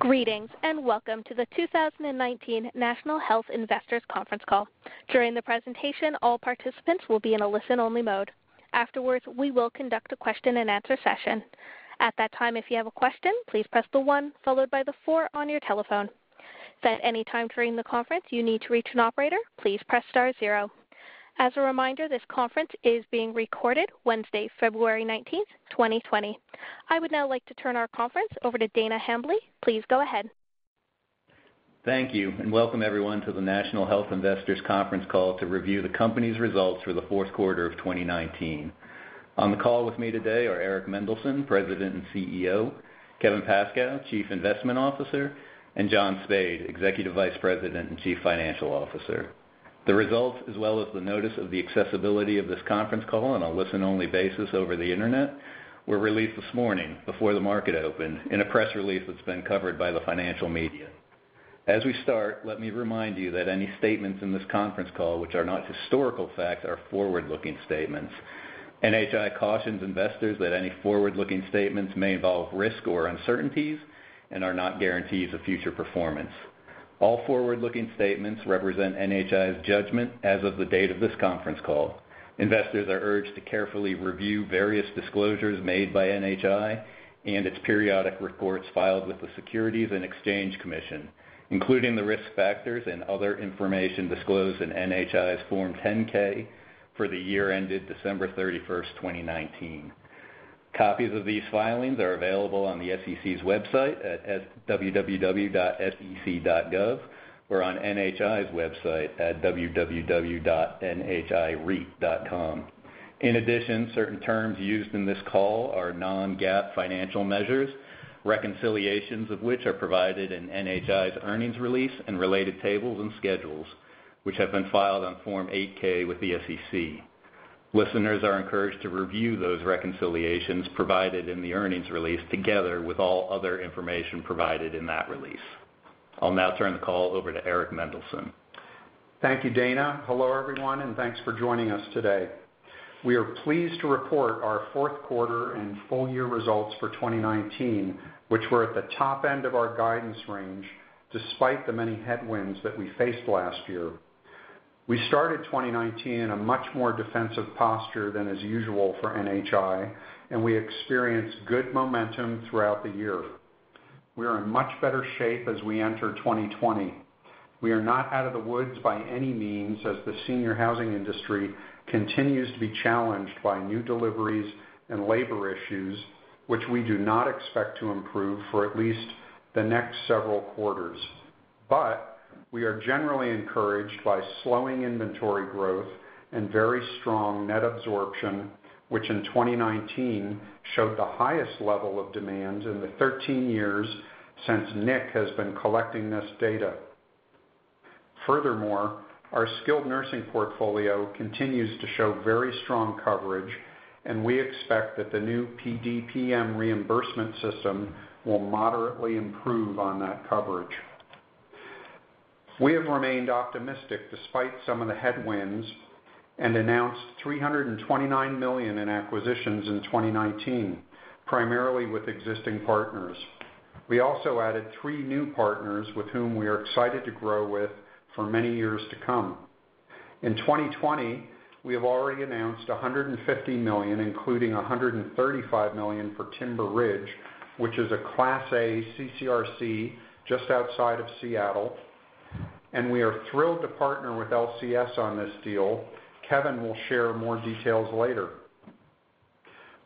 Greetings, welcome to the 2019 National Health Investors Conference Call. During the presentation, all participants will be in a listen-only mode. Afterwards, we will conduct a question and answer session. At that time, if you have a question, please press the one followed by the four on your telephone. If at any time during the conference you need to reach an operator, please press star zero. As a reminder, this conference is being recorded Wednesday, February 19th, 2020. I would now like to turn our conference over to Dana Hambly. Please go ahead. Thank you, and welcome everyone to the National Health Investors Conference Call to review the company's results for the fourth quarter of 2019. On the call with me today are Eric Mendelsohn, President and CEO, Kevin Pascoe, Chief Investment Officer, and John Spaid, Executive Vice President and Chief Financial Officer. The results, as well as the notice of the accessibility of this conference call on a listen-only basis over the internet, were released this morning before the market opened in a press release that's been covered by the financial media. As we start, let me remind you that any statements in this conference call which are not historical fact are forward-looking statements. NHI cautions investors that any forward-looking statements may involve risk or uncertainties and are not guarantees of future performance. All forward-looking statements represent NHI's judgment as of the date of this conference call. Investors are urged to carefully review various disclosures made by NHI and its periodic reports filed with the Securities and Exchange Commission, including the risk factors and other information disclosed in NHI's Form 10-K, for the year ended December 31st, 2019. Copies of these filings are available on the SEC's website at www.sec.gov or on NHI's website at www.nhireit.com. In addition, certain terms used in this call are non-GAAP financial measures, reconciliations of which are provided in NHI's earnings release and related tables and schedules, which have been filed on Form 8-K, with the SEC. Listeners are encouraged to review those reconciliations provided in the earnings release together with all other information provided in that release. I'll now turn the call over to Eric Mendelsohn. Thank you, Dana. Hello, everyone, and thanks for joining us today. We are pleased to report our fourth quarter and full year results for 2019, which were at the top end of our guidance range, despite the many headwinds that we faced last year. We started 2019 in a much more defensive posture than is usual for NHI, and we experienced good momentum throughout the year. We are in much better shape as we enter 2020. We are not out of the woods by any means, as the senior housing industry continues to be challenged by new deliveries and labor issues, which we do not expect to improve for at least the next several quarters. We are generally encouraged by slowing inventory growth and very strong net absorption, which in 2019 showed the highest level of demand in the 13 years since NIC has been collecting this data. Furthermore, our skilled nursing portfolio continues to show very strong coverage, and we expect that the new PDPM reimbursement system will moderately improve on that coverage. We have remained optimistic despite some of the headwinds, and announced $329 million in acquisitions in 2019, primarily with existing partners. We also added three new partners with whom we are excited to grow with for many years to come. In 2020, we have already announced $150 million, including $135 million for Timber Ridge, which is a Class A CCRC just outside of Seattle, and we are thrilled to partner with LCS on this deal. Kevin will share more details later.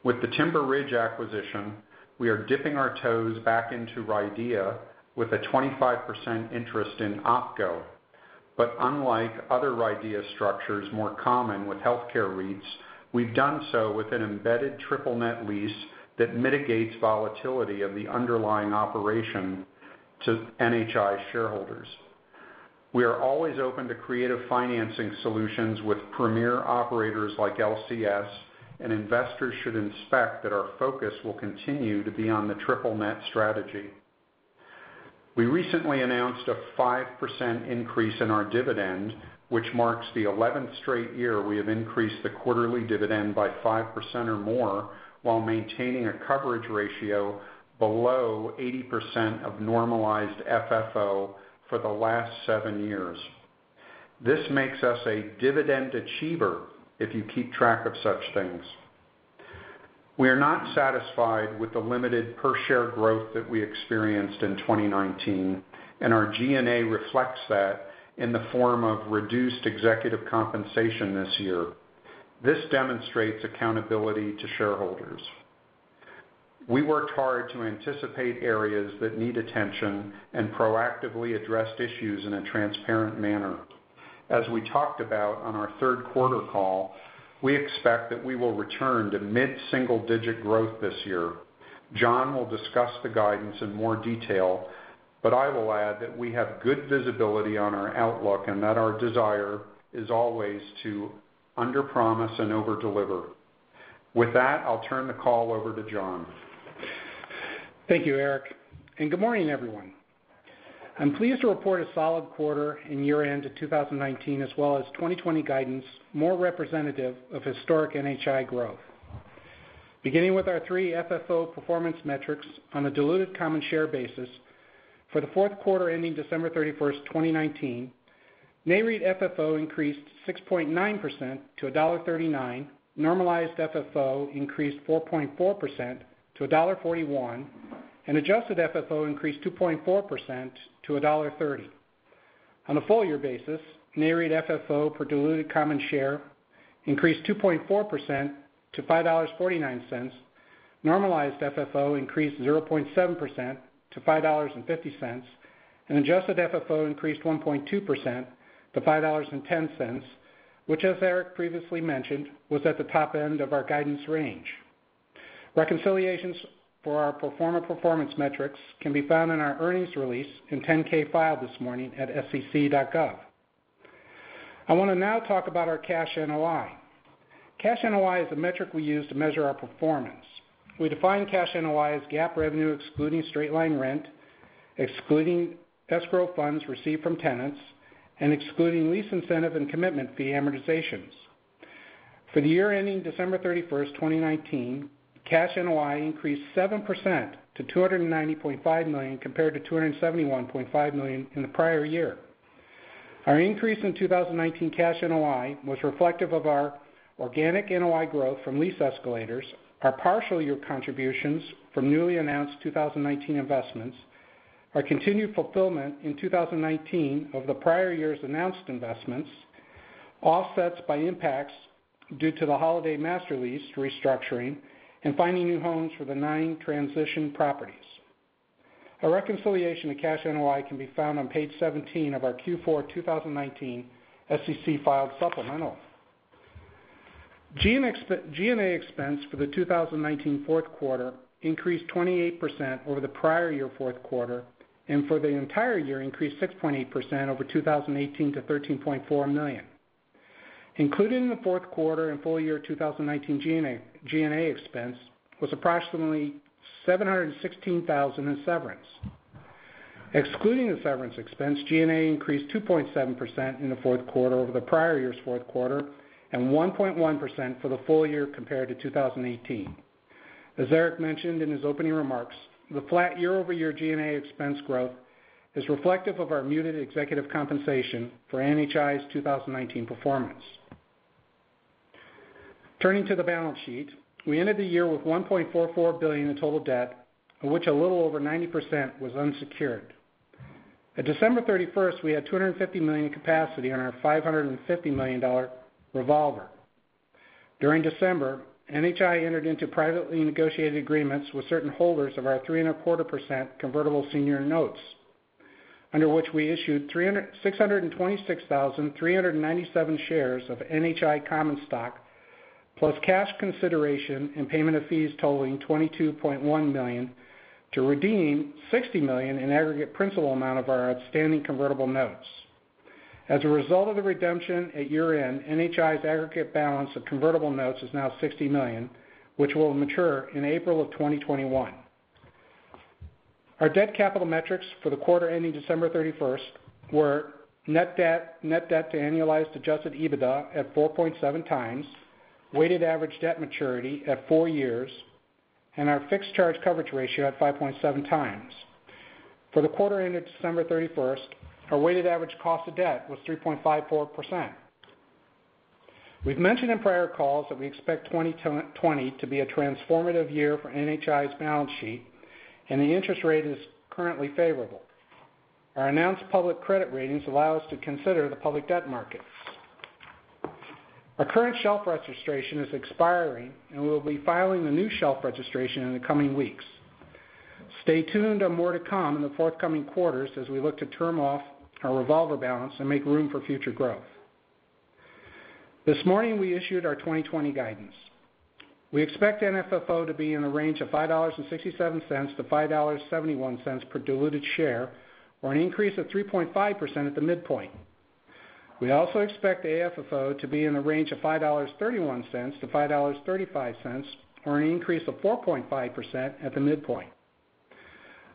With the Timber Ridge acquisition, we are dipping our toes back into RIDEA with a 25% interest in OpCo. Unlike other RIDEA structures more common with healthcare REITs, we've done so with an embedded triple-net lease that mitigates volatility of the underlying operation to NHI shareholders. We are always open to creative financing solutions with premier operators like LCS, and investors should expect that our focus will continue to be on the triple-net strategy. We recently announced a 5% increase in our dividend, which marks the 11th straight year we have increased the quarterly dividend by 5% or more while maintaining a coverage ratio below 80% of normalized FFO for the last seven years. This makes us a dividend achiever if you keep track of such things. We are not satisfied with the limited per-share growth that we experienced in 2019, and our G&A reflects that in the form of reduced executive compensation this year. This demonstrates accountability to shareholders. We worked hard to anticipate areas that need attention and proactively addressed issues in a transparent manner. As we talked about on our third quarter call, we expect that we will return to mid-single-digit growth this year. John will discuss the guidance in more detail. I will add that we have good visibility on our outlook and that our desire is always to underpromise and overdeliver. With that, I'll turn the call over to John. Thank you, Eric, and good morning, everyone. I'm pleased to report a solid quarter in year-end of 2019, as well as 2020 guidance, more representative of historic NHI growth. Beginning with our three FFO performance metrics on a diluted common share basis for the fourth quarter ending December 31st, 2019, NAREIT FFO increased 6.9% to $1.39, normalized FFO increased 4.4% to $1.41, and adjusted FFO increased 2.4% to $1.30. On a full year basis, NAREIT FFO per diluted common share increased 2.4% to $5.49, normalized FFO increased 0.7% to $5.50, and adjusted FFO increased 1.2% to $5.10, which as Eric previously mentioned, was at the top end of our guidance range. Reconciliations for our pro forma performance metrics can be found in our earnings release and 10-K, filed this morning at sec.gov. I want to now talk about our cash NOI. Cash NOI is a metric we use to measure our performance. We define cash NOI as GAAP revenue, excluding straight-line rent, excluding escrow funds received from tenants, and excluding lease incentive and commitment fee amortizations. For the year ending December 31st, 2019, cash NOI increased 7% to $290.5 million compared to $271.5 million in the prior year. Our increase in 2019 cash NOI was reflective of our organic NOI growth from lease escalators, our partial year contributions from newly announced 2019 investments, our continued fulfillment in 2019 of the prior year's announced investments, offsets by impacts due to the Holiday master lease restructuring, and finding new homes for the nine transition properties. A reconciliation of cash NOI can be found on page 17 of our Q4 2019 SEC filed supplemental. G&A expense for the 2019 fourth quarter increased 28% over the prior year fourth quarter. For the entire year increased 6.8% over 2018 to $13.4 million. Included in the fourth quarter and full year 2019 G&A expense was approximately $716,000 in severance. Excluding the severance expense, G&A increased 2.7% in the fourth quarter over the prior year's fourth quarter and 1.1% for the full year compared to 2018. As Eric mentioned in his opening remarks, the flat year-over-year G&A expense growth is reflective of our muted executive compensation for NHI's 2019 performance. Turning to the balance sheet, we ended the year with $1.44 billion in total debt, of which a little over 90% was unsecured. At December 31st, we had $250 million in capacity on our $550 million revolver. During December, NHI entered into privately negotiated agreements with certain holders of our 3.25% convertible senior notes, under which we issued 626,397 shares of NHI common stock, plus cash consideration and payment of fees totaling $22.1 million to redeem $60 million in aggregate principal amount of our outstanding convertible notes. As a result of the redemption at year-end, NHI's aggregate balance of convertible notes is now $60 million, which will mature in April of 2021. Our debt capital metrics for the quarter ending December 31st were net debt to annualized adjusted EBITDA at 4.7 times, weighted average debt maturity at four years, and our fixed charge coverage ratio at 5.7 times. For the quarter ended December 31st, our weighted average cost of debt was 3.54%. We've mentioned in prior calls that we expect 2020 to be a transformative year for NHI's balance sheet, and the interest rate is currently favorable. Our announced public credit ratings allow us to consider the public debt markets. Our current shelf registration is expiring, and we'll be filing the new shelf registration in the coming weeks. Stay tuned on more to come in the forthcoming quarters as we look to term off our revolver balance and make room for future growth. This morning, we issued our 2020 guidance. We expect NFFO to be in the range of $5.67-$5.71 per diluted share, or an increase of 3.5% at the midpoint. We also expect AFFO to be in the range of $5.31-$5.35, or an increase of 4.5% at the midpoint.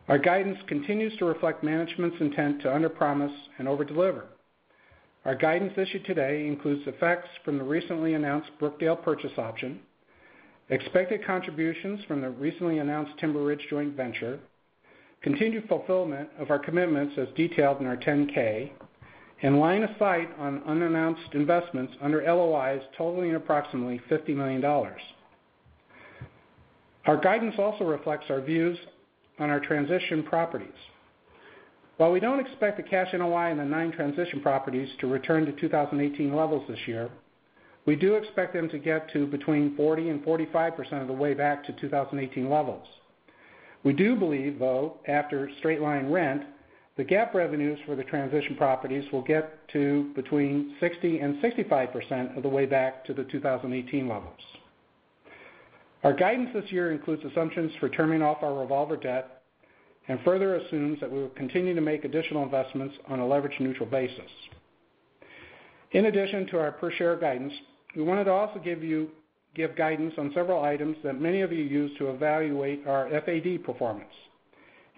Our guidance continues to reflect management's intent to underpromise and overdeliver. Our guidance issued today includes effects from the recently announced Brookdale purchase option, expected contributions from the recently announced Timber Ridge joint venture, continued fulfillment of our commitments as detailed in our 10-K, and line of sight on unannounced investments under LOIs totaling approximately $50 million. Our guidance also reflects our views on our transition properties. While we don't expect the cash NOI in the nine transition properties to return to 2018 levels this year, we do expect them to get to between 40% and 45% of the way back to 2018 levels. We do believe, though, after straight-line rent, the GAAP revenues for the transition properties will get to between 60% and 65% of the way back to the 2018 levels. Our guidance this year includes assumptions for terming off our revolver debt and further assumes that we will continue to make additional investments on a leverage-neutral basis. In addition to our per share guidance, we wanted to also give guidance on several items that many of you use to evaluate our FAD performance.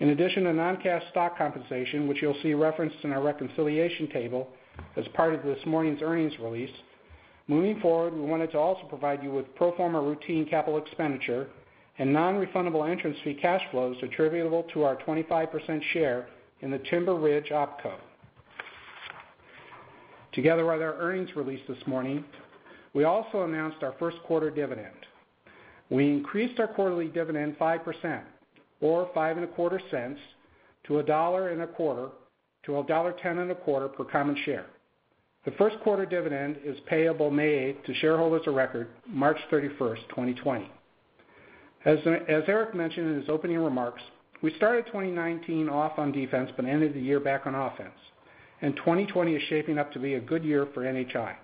In addition to non-cash stock compensation, which you'll see referenced in our reconciliation table as part of this morning's earnings release, moving forward, we wanted to also provide you with pro forma routine capital expenditure and non-refundable entrance fee cash flows attributable to our 25% share in the Timber Ridge OpCo. Together with our earnings release this morning, we also announced our first-quarter dividend. We increased our quarterly dividend 5% or $0.0525 to $1.1025 per common share. The first quarter dividend is payable May to shareholders of record March 31st, 2020. As Eric mentioned in his opening remarks, we started 2019 off on defense, but ended the year back on offense, and 2020 is shaping up to be a good year for NHI.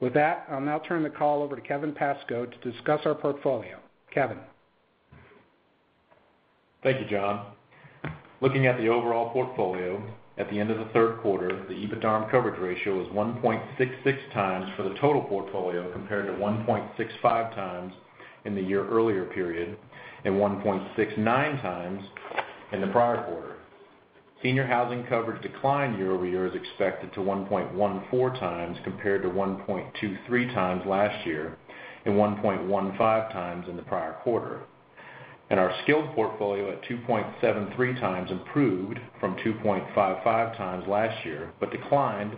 With that, I'll now turn the call over to Kevin Pascoe to discuss our portfolio. Kevin? Thank you, John. Looking at the overall portfolio at the end of the third quarter, the EBITDARM coverage ratio was 1.66 times for the total portfolio, compared to 1.65 times in the year earlier period and 1.69 times in the prior quarter. Senior housing coverage declined year-over-year as expected to 1.14 times, compared to 1.23 times last year and 1.15 times in the prior quarter. Our skilled portfolio at 2.73 times improved from 2.55 times last year, but declined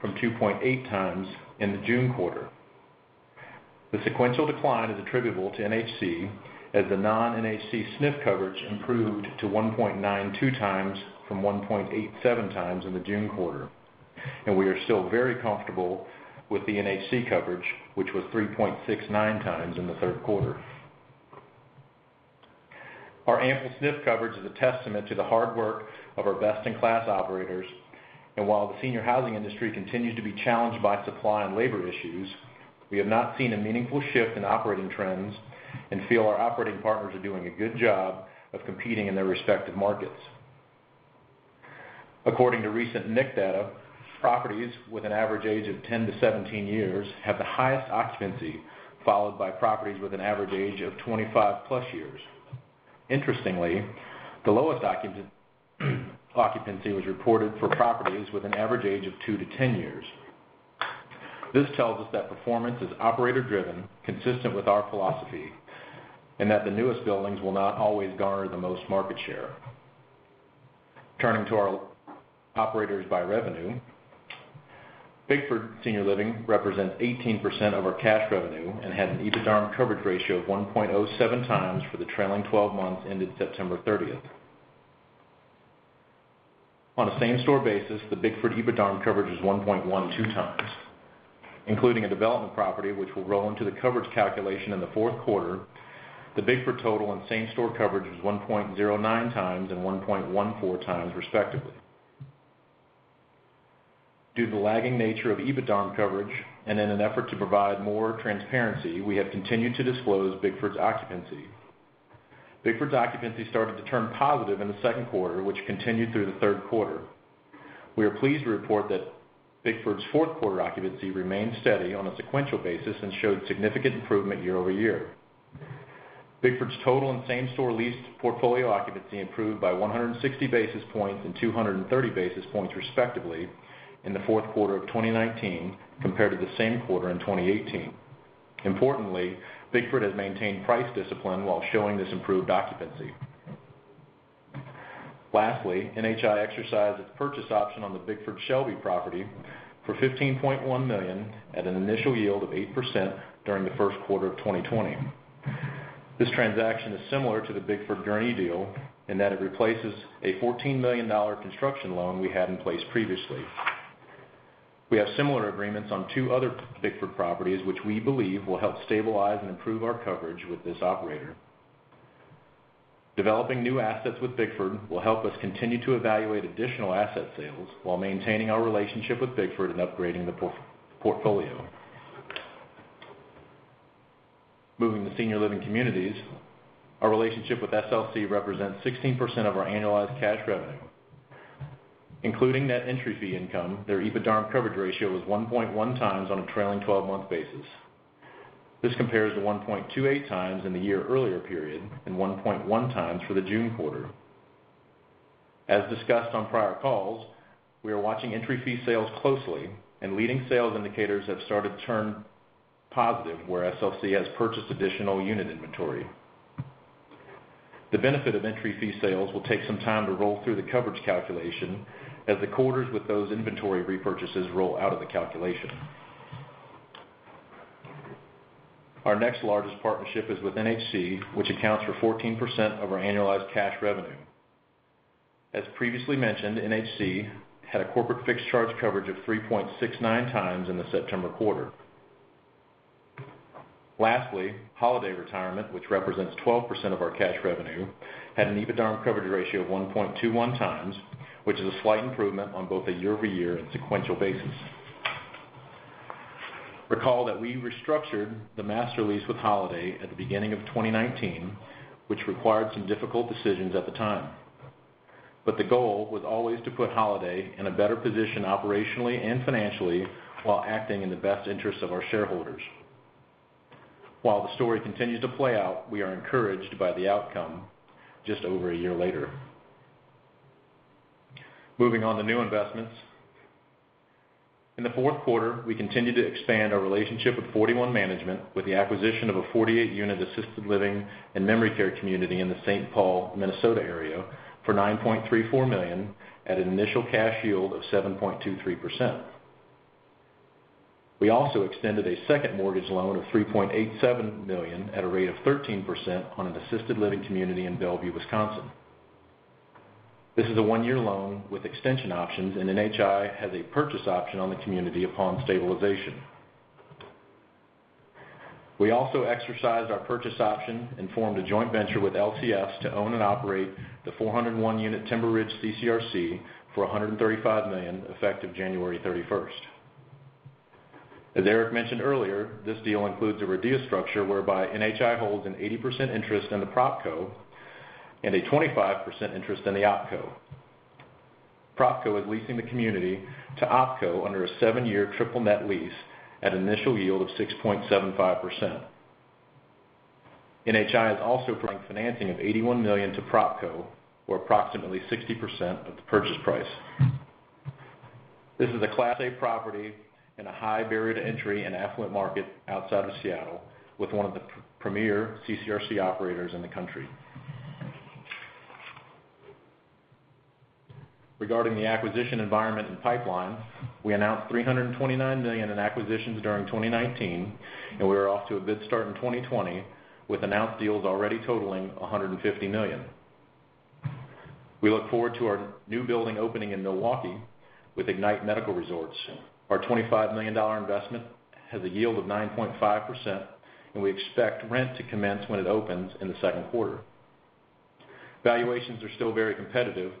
from 2.8 times in the June quarter. The sequential decline is attributable to NHC as the non-NHC SNF coverage improved to 1.92 times from 1.87 times in the June quarter. We are still very comfortable with the NHC coverage, which was 3.69 times in the third quarter. Our ample SNF coverage is a testament to the hard work of our best-in-class operators, and while the senior housing industry continues to be challenged by supply and labor issues, we have not seen a meaningful shift in operating trends and feel our operating partners are doing a good job of competing in their respective markets. According to recent NIC data, properties with an average age of 10-17 years have the highest occupancy, followed by properties with an average age of 25-plus years. Interestingly, the lowest occupancy was reported for properties with an average age of 2-10 years. This tells us that performance is operator-driven, consistent with our philosophy, and that the newest buildings will not always garner the most market share. Turning to our operators by revenue, Bickford Senior Living represents 18% of our cash revenue and had an EBITDARM coverage ratio of 1.07 times for the trailing 12 months ended September 30th. On a same-store basis, the Bickford EBITDARM coverage is 1.12 times. Including a development property, which will roll into the coverage calculation in the fourth quarter, the Bickford total and same-store coverage was 1.09 times and 1.14 times, respectively. Due to the lagging nature of EBITDARM coverage and in an effort to provide more transparency, we have continued to disclose Bickford's occupancy. Bickford's occupancy started to turn positive in the second quarter, which continued through the third quarter. We are pleased to report that Bickford's fourth quarter occupancy remained steady on a sequential basis and showed significant improvement year-over-year. Bickford's total and same-store leased portfolio occupancy improved by 160 basis points and 230 basis points, respectively in the fourth quarter of 2019 compared to the same quarter in 2018. Importantly, Bickford has maintained price discipline while showing this improved occupancy. Lastly, NHI exercised its purchase option on the Bickford Shelby property for $15.1 million at an initial yield of 8% during the first quarter of 2020. This transaction is similar to the Bickford Gurnee deal in that it replaces a $14 million construction loan we had in place previously. We have similar agreements on two other Bickford properties, which we believe will help stabilize and improve our coverage with this operator. Developing new assets with Bickford will help us continue to evaluate additional asset sales while maintaining our relationship with Bickford and upgrading the portfolio. Moving to Senior Living Communities, our relationship with SLC represents 16% of our annualized cash revenue. Including net entry fee income, their EBITDARM coverage ratio was 1.1 times on a trailing 12-month basis. This compares to 1.28 times in the year-earlier period and 1.1 times for the June quarter. As discussed on prior calls, we are watching entry fee sales closely and leading sales indicators have started to turn positive, where SLC has purchased additional unit inventory. The benefit of entry fee sales will take some time to roll through the coverage calculation as the quarters with those inventory repurchases roll out of the calculation. Our next largest partnership is with NHC, which accounts for 14% of our annualized cash revenue. As previously mentioned, NHC had a corporate fixed charge coverage of 3.69 times in the September quarter. Lastly, Holiday Retirement, which represents 12% of our cash revenue, had an EBITDARM coverage ratio of 1.21x, which is a slight improvement on both a year-over-year and sequential basis. Recall that we restructured the master lease with Holiday at the beginning of 2019, which required some difficult decisions at the time. The goal was always to put Holiday in a better position operationally and financially while acting in the best interest of our shareholders. While the story continues to play out, we are encouraged by the outcome just over a year later. Moving on to new investments. In the fourth quarter, we continued to expand our relationship with 41 Management with the acquisition of a 48-unit assisted living and memory care community in the St. Paul, Minnesota area for $9.34 million at an initial cash yield of 7.23%. We also extended a second mortgage loan of $3.87 million at a rate of 13% on an assisted living community in Bellevue, Wisconsin. This is a one-year loan with extension options, and NHI has a purchase option on the community upon stabilization. We also exercised our purchase option and formed a joint venture with LCS to own and operate the 401-unit Timber Ridge CCRC for $135 million, effective January 31st. As Eric mentioned earlier, this deal includes a RIDEA structure whereby NHI holds an 80% interest in the PropCo and a 25% interest in the OpCo. PropCo is leasing the community to OpCo under a seven-year triple net lease at an initial yield of 6.75%. NHI is also bringing financing of $81 million to PropCo, or approximately 60% of the purchase price. This is a Class A property in a high-barrier-to-entry and affluent market outside of Seattle with one of the premier CCRC operators in the country. Regarding the acquisition environment and pipeline, we announced $329 million in acquisitions during 2019, and we are off to a good start in 2020 with announced deals already totaling $150 million. We look forward to our new building opening in Milwaukee with Ignite Medical Resorts. Our $25 million investment has a yield of 9.5%, and we expect rent to commence when it opens in the second quarter. Valuations are still very competitive,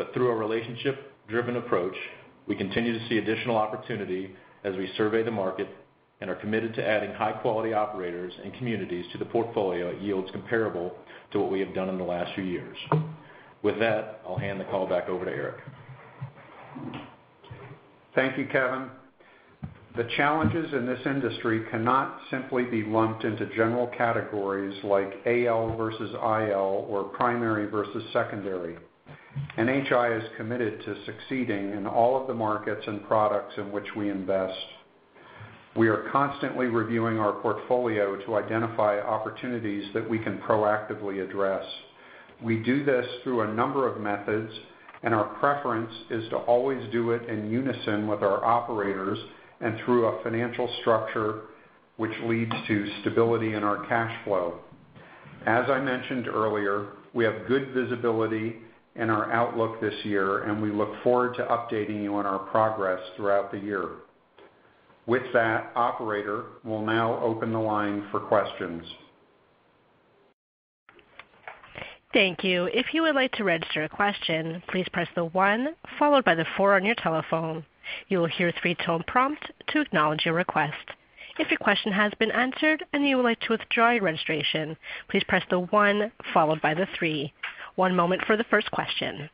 but through a relationship-driven approach, we continue to see additional opportunity as we survey the market and are committed to adding high-quality operators and communities to the portfolio at yields comparable to what we have done in the last few years. With that, I'll hand the call back over to Eric. Thank you, Kevin. The challenges in this industry cannot simply be lumped into general categories like AL versus IL or primary versus secondary. NHI is committed to succeeding in all of the markets and products in which we invest. We are constantly reviewing our portfolio to identify opportunities that we can proactively address. We do this through a number of methods, and our preference is to always do it in unison with our operators and through a financial structure which leads to stability in our cash flow. As I mentioned earlier, we have good visibility in our outlook this year, and we look forward to updating you on our progress throughout the year. With that, operator, we'll now open the line for questions. Thank you. If you would like to register a question, please press the one followed by the four on your telephone. You will hear a three-tone prompt to acknowledge your request. If your question has been answered and you would like to withdraw your registration, please press the one followed by the three. One moment for the first question.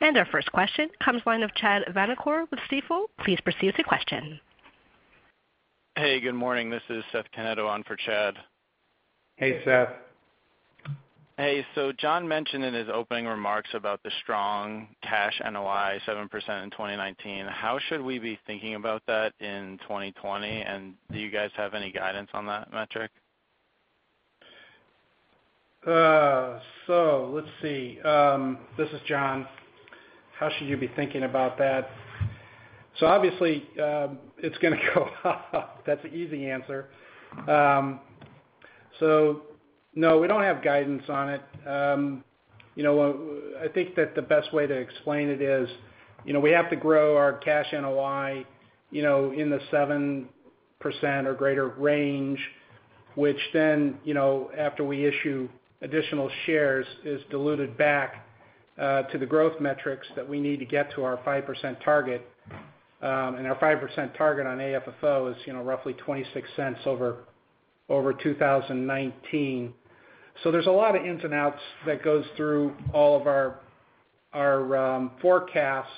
Our first question comes the line of Chad Vanacore with Stifel. Please proceed with your question. Hey, good morning. This is Seth Canetto on for Chad. Hey, Seth. Hey. John mentioned in his opening remarks about the strong cash NOI 7% in 2019. How should we be thinking about that in 2020? Do you guys have any guidance on that metric? Let's see. This is John. How should you be thinking about that? Obviously, it's going to go up. That's the easy answer. No, we don't have guidance on it. I think that the best way to explain it is, we have to grow our cash NOI in the 7% or greater range, which then, after we issue additional shares, is diluted back to the growth metrics that we need to get to our 5% target. Our 5% target on AFFO is roughly $0.26 over 2019. There's a lot of ins and outs that goes through all of our forecasts.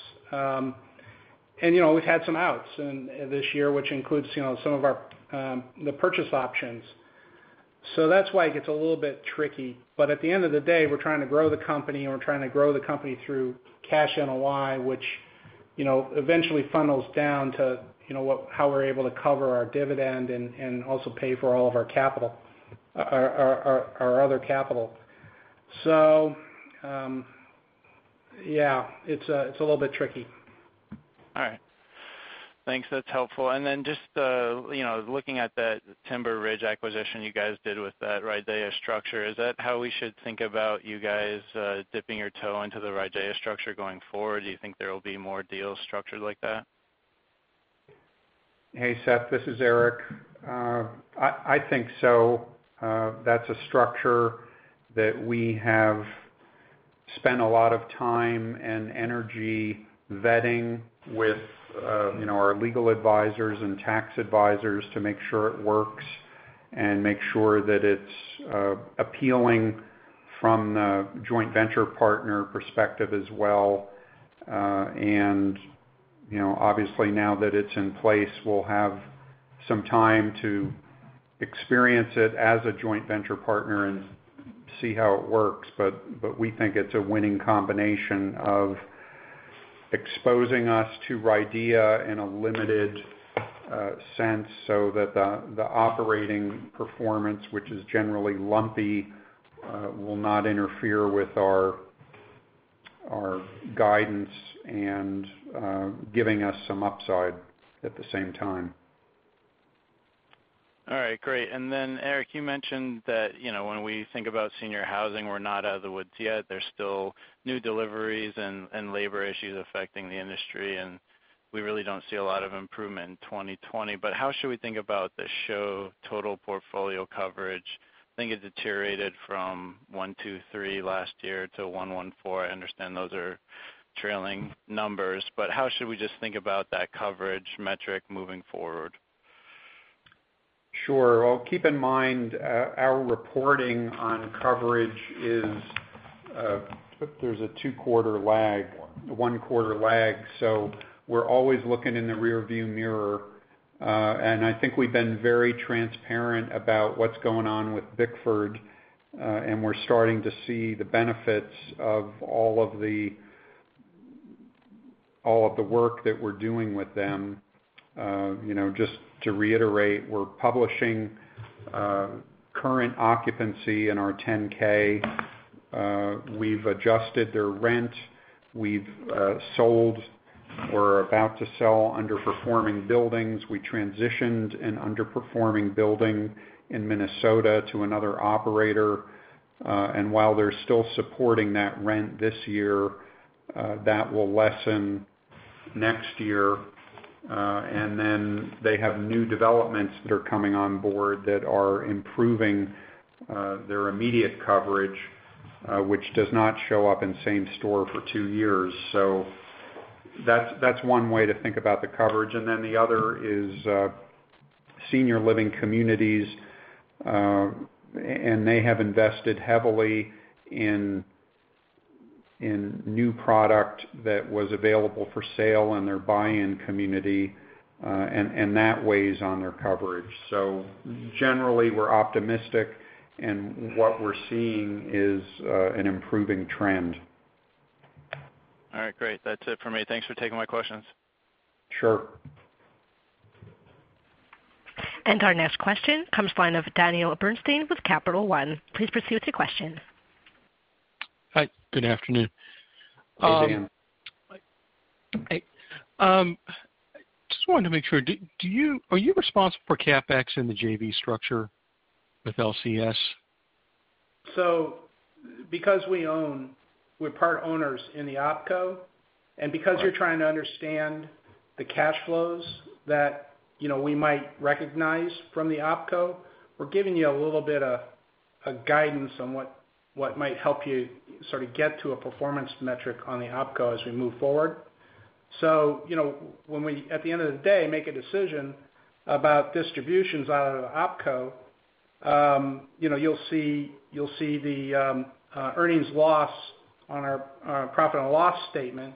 We've had some outs this year, which includes some of the purchase options. That's why it gets a little bit tricky. At the end of the day, we're trying to grow the company, and we're trying to grow the company through cash NOI, which eventually funnels down to how we're able to cover our dividend and also pay for all of our other capital. Yeah, it's a little bit tricky. All right. Thanks. That's helpful. Then just looking at that Timber Ridge acquisition you guys did with that RIDEA structure, is that how we should think about you guys dipping your toe into the RIDEA structure going forward? Do you think there will be more deals structured like that? Hey Seth, this is Eric. I think so. That's a structure that we have spent a lot of time and energy vetting with our legal advisors and tax advisors to make sure it works, and make sure that it's appealing from the joint venture partner perspective as well. Obviously, now that it's in place, we'll have some time to experience it as a joint venture partner and see how it works. We think it's a winning combination of exposing us to RIDEA in a limited sense, so that the operating performance, which is generally lumpy, will not interfere with our guidance and giving us some upside at the same time. Eric, you mentioned that when we think about senior housing, we're not out of the woods yet. There's still new deliveries and labor issues affecting the industry. We really don't see a lot of improvement in 2020. How should we think about the show total portfolio coverage? I think it deteriorated from 123 last year to 114. I understand those are trailing numbers. How should we just think about that coverage metric moving forward? Sure. Keep in mind, our reporting on coverage is, there's a two-quarter lag, one-quarter lag, so we're always looking in the rearview mirror. I think we've been very transparent about what's going on with Bickford, and we're starting to see the benefits of all of the work that we're doing with them. Just to reiterate, we're publishing current occupancy in our 10-K. We've adjusted their rent. We've sold, or are about to sell, underperforming buildings. We transitioned an underperforming building in Minnesota to another operator. While they're still supporting that rent this year, that will lessen next year. They have new developments that are coming on board that are improving their immediate coverage, which does not show up in same-store for two years. That's one way to think about the coverage. The other is Senior Living Communities, and they have invested heavily in new product that was available for sale in their buy-in community, and that weighs on their coverage. Generally, we're optimistic and what we're seeing is an improving trend. All right, great. That's it for me. Thanks for taking my questions. Sure. Our next question comes from line of Daniel Bernstein with Capital One. Please proceed with your question. Hi, good afternoon. Hey, Daniel Hey. Just wanted to make sure, are you responsible for CapEx in the JV structure with LCS? Because we're part owners in the OpCo, and because you're trying to understand the cash flows that we might recognize from the OpCo, we're giving you a little bit of guidance on what might help you sort of get to a performance metric on the OpCo as we move forward. When we, at the end of the day, make a decision about distributions out of the OpCo, you'll see the earnings loss on our profit and loss statement.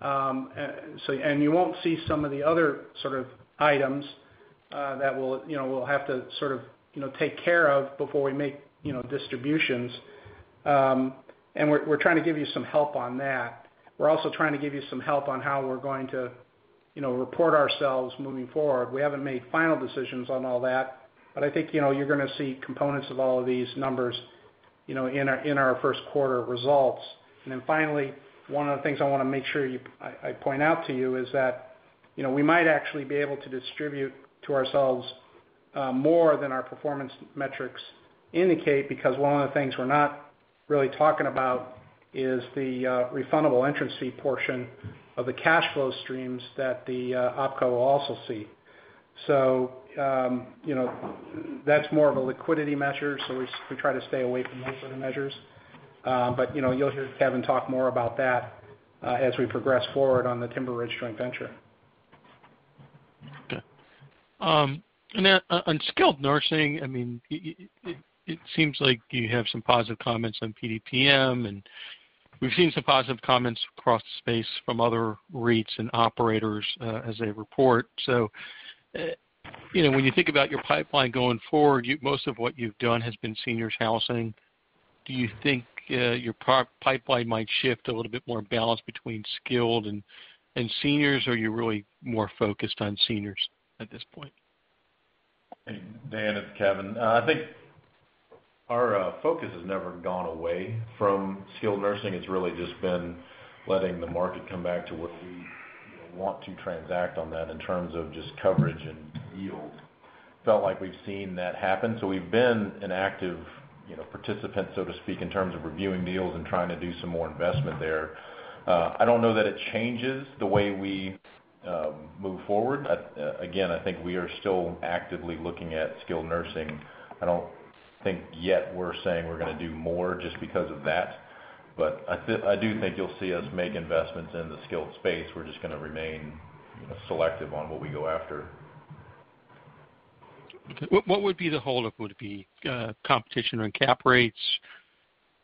You won't see some of the other sort of items that we'll have to sort of take care of before we make distributions. We're trying to give you some help on that. We're also trying to give you some help on how we're going to report ourselves moving forward. We haven't made final decisions on all that, but I think you're going to see components of all of these numbers in our first quarter results. Finally, one of the things I want to make sure I point out to you is that we might actually be able to distribute to ourselves more than our performance metrics indicate, because one of the things we're not really talking about is the refundable entrance fee portion of the cash flow streams that the OpCo will also see. That's more of a liquidity measure, so we try to stay away from those sort of measures. You'll hear Kevin talk more about that as we progress forward on the Timber Ridge joint venture. Okay. On skilled nursing, it seems like you have some positive comments on PDPM, and we've seen some positive comments across the space from other REITs and operators as they report. When you think about your pipeline going forward, most of what you've done has been seniors housing. Do you think your pipeline might shift a little bit more balanced between skilled and seniors, or are you really more focused on seniors at this point? Hey Daniel, it's Kevin. I think our focus has never gone away from skilled nursing. It's really just been letting the market come back to where we want to transact on that in terms of just coverage and yield. Felt like we've seen that happen. We've been an active participant, so to speak, in terms of reviewing deals and trying to do some more investment there. I don't know that it changes the way we move forward. Again, I think we are still actively looking at skilled nursing. I don't think yet we're saying we're going to do more just because of that. I do think you'll see us make investments in the skilled space. We're just going to remain selective on what we go after. Okay. What would be the holdup? Would it be competition around cap rates,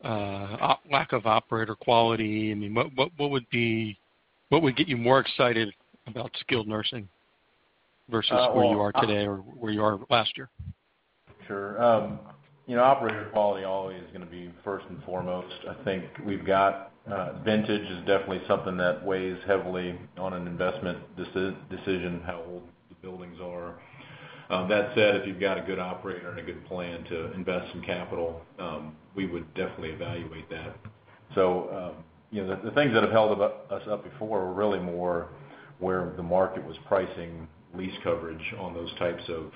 lack of operator quality? What would get you more excited about skilled nursing versus where you are today or where you are last year? Sure. Operator quality always is going to be first and foremost. I think vintage is definitely something that weighs heavily on an investment decision, how old the buildings are. That said, if you've got a good operator and a good plan to invest some capital, we would definitely evaluate that. The things that have held us up before were really more where the market was pricing lease coverage on those types of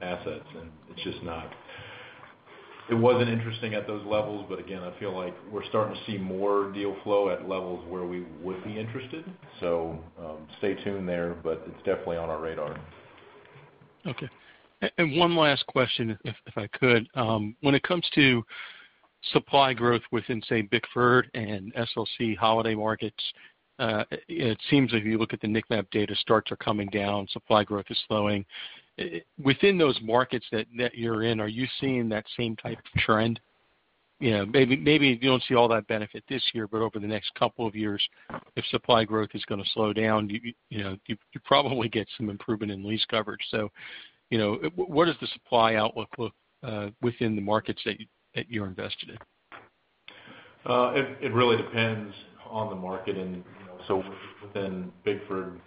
assets, and it wasn't interesting at those levels. Again, I feel like we're starting to see more deal flow at levels where we would be interested. Stay tuned there, but it's definitely on our radar. One last question, if I could. When it comes to supply growth within, say, Bickford and SLC Holiday markets, it seems if you look at the NIC MAP data, starts are coming down, supply growth is slowing. Within those markets that you're in, are you seeing that same type of trend? Maybe you don't see all that benefit this year, but over the next couple of years, if supply growth is going to slow down, you'd probably get some improvement in lease coverage. What is the supply outlook within the markets that you're invested in? It really depends on the market. Within Bickford,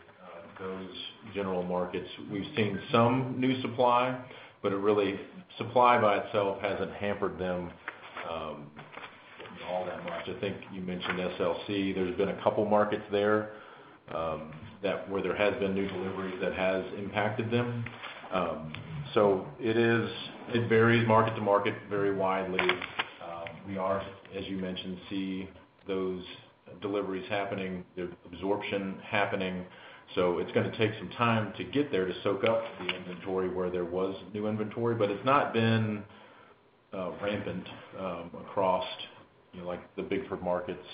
those general markets, we've seen some new supply, but really supply by itself hasn't hampered them all that much. I think you mentioned SLC. There's been a couple markets there, where there has been new delivery that has impacted them. It varies market to market very widely. We are, as you mentioned, see those deliveries happening, the absorption happening. It's going to take some time to get there, to soak up the inventory where there was new inventory, but it's not been rampant across the Bickford markets.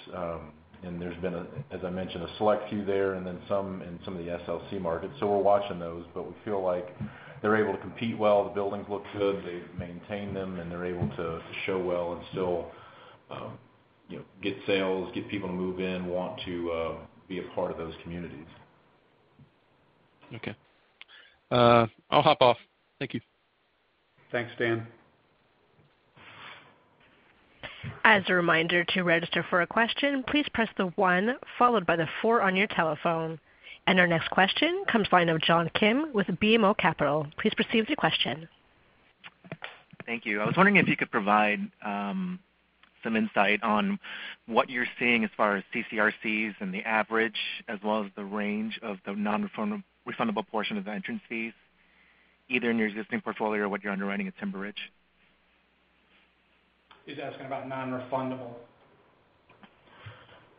There's been, as I mentioned, a select few there and then some in some of the SLC markets. We're watching those, but we feel like they're able to compete well. The buildings look good, they maintain them, they're able to show well and still get sales, get people to move in, want to be a part of those communities. Okay. I'll hop off. Thank you. Thanks, Daniel. As a reminder to register for a question, please press one followed by the four on your telephone. Our next question comes line of John Kim with BMO Capital. Please proceed with your question. Thank you. I was wondering if you could provide some insight on what you're seeing as far as CCRCs and the average, as well as the range of the non-refundable portion of the entrance fees, either in your existing portfolio or what you're underwriting at Timber Ridge. He's asking about non-refundable.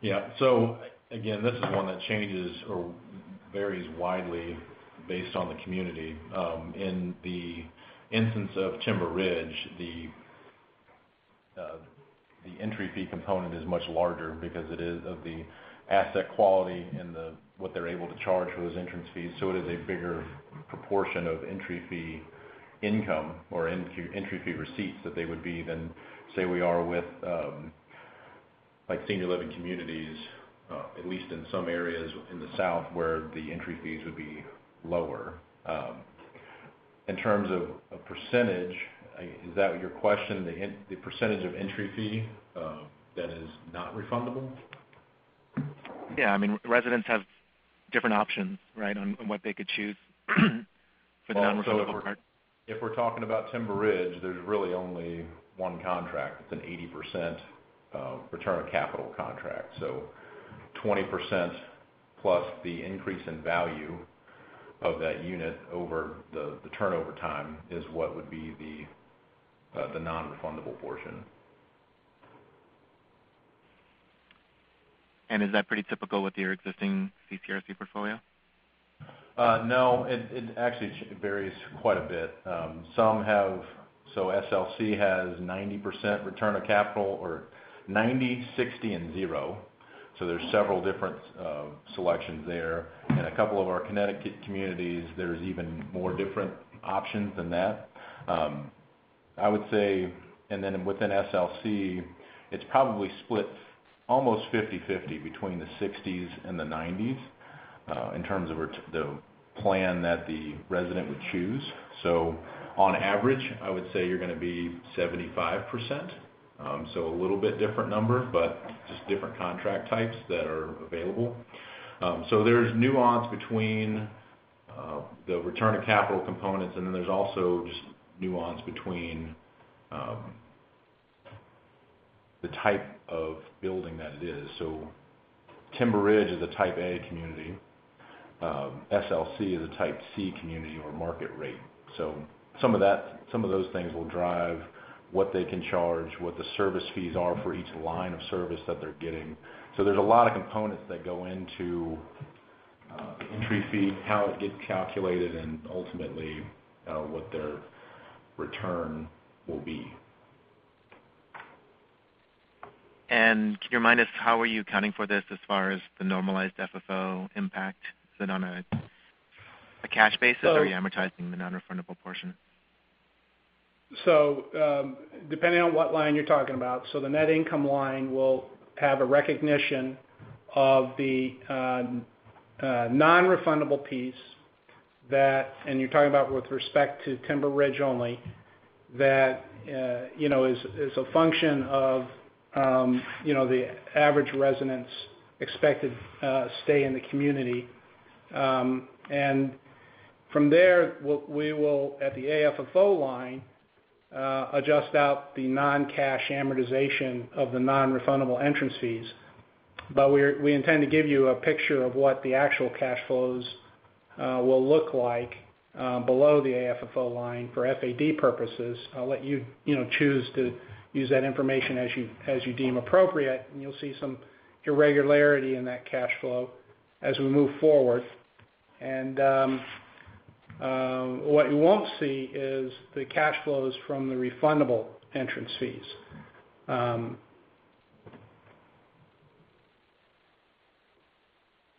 Yeah. Again, this is one that changes or varies widely based on the community. In the instance of Timber Ridge, the entry fee component is much larger because it is of the asset quality and what they are able to charge for those entrance fees. It is a bigger proportion of entry fee income or entry fee receipts that they would be than, say, we are with Senior Living Communities, at least in some areas in the South where the entry fees would be lower. In terms of percentage, is that your question, the percentage of entry fee that is not refundable? Yeah. Residents have different options, right? On what they could choose for the non-refundable part. If we're talking about Timber Ridge, there's really only one contract. It's an 80% return on capital contract. 20% plus the increase in value of that unit over the turnover time is what would be the non-refundable portion. Is that pretty typical with your existing CCRC portfolio? No, it actually varies quite a bit. SLC has 90% return of capital or 90, 60, and 0. There's several different selections there. In a couple of our Connecticut communities, there's even more different options than that. I would say, and then within SLC, it's probably split almost 50/50 between the 60s and the 90s, in terms of the plan that the resident would choose. On average, I would say you're going to be 75%. A little bit different number, but just different contract types that are available. There's nuance between the return on capital components. The type of building that it is. Timber Ridge is a Type A community. SLC is a Type C community or market rate. Some of those things will drive what they can charge, what the service fees are for each line of service that they're getting. There's a lot of components that go into entry fee, how it gets calculated, and ultimately what their return will be. Can you remind us how are you accounting for this as far as the normalized FFO impact? Is it on a cash basis? So- Are you amortizing the non-refundable portion? Depending on what line you're talking about, the net income line will have a recognition of the non-refundable piece that, and you're talking about with respect to Timber Ridge only, that is a function of the average resident's expected stay in the community. From there, we will, at the AFFO line, adjust out the non-cash amortization of the non-refundable entrance fees. We intend to give you a picture of what the actual cash flows will look like below the AFFO line for FAD purposes. I'll let you choose to use that information as you deem appropriate, and you'll see some irregularity in that cash flow as we move forward. What you won't see is the cash flows from the refundable entrance fees.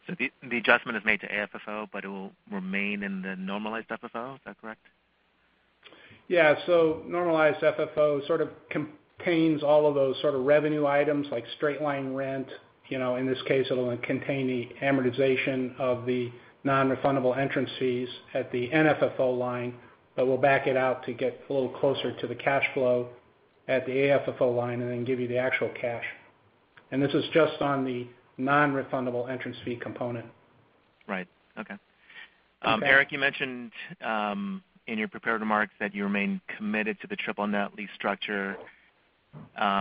The adjustment is made to AFFO, but it will remain in the normalized FFO, is that correct? Yeah. Normalized FFO sort of contains all of those sort of revenue items like straight line rent. In this case, it'll contain the amortization of the non-refundable entrance fees at the NFFO line, but we'll back it out to get a little closer to the cash flow at the AFFO line and then give you the actual cash. This is just on the non-refundable entrance fee component. Right. Okay. Okay. Eric, you mentioned, in your prepared remarks that you remain committed to the triple net lease structure.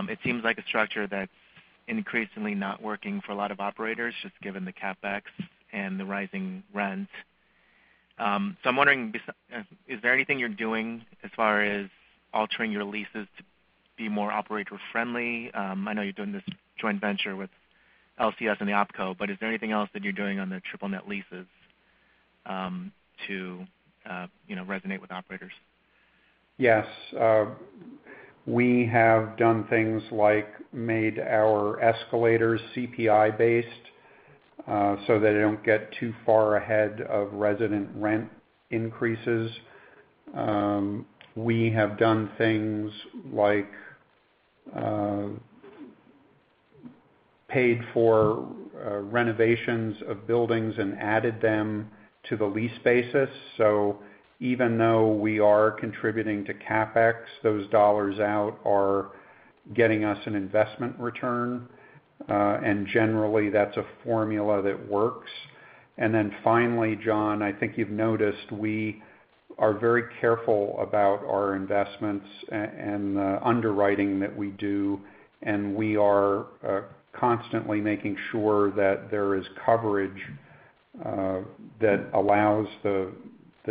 It seems like a structure that's increasingly not working for a lot of operators, just given the CapEx and the rising rent. I'm wondering, is there anything you're doing as far as altering your leases to be more operator-friendly? I know you're doing this joint venture with LCS and the OpCo, but is there anything else that you're doing on the triple net leases to resonate with operators? Yes. We have done things like made our escalators CPI-based, so they don't get too far ahead of resident rent increases. We have done things like paid for renovations of buildings and added them to the lease basis. Even though we are contributing to CapEx, those dollars out are getting us an investment return. Generally, that's a formula that works. Finally, John, I think you've noticed we are very careful about our investments and the underwriting that we do, and we are constantly making sure that there is coverage that allows the